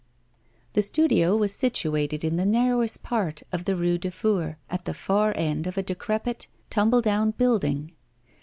The studio was situated in the narrowest part of the Rue du Four, at the far end of a decrepit, tumble down building.